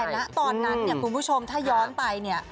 แต่ตอนนั้นคุณผู้ชมถ้าย้อนไปนี่